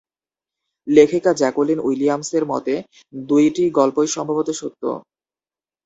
লেখিকা জ্যাকুলিন উইলিয়ামসের মতে, দুটি গল্পই সম্ভবত সত্য।